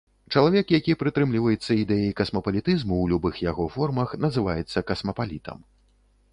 Чалавек, які прытрымліваецца ідэі касмапалітызму ў любых яго формах называецца касмапалітам.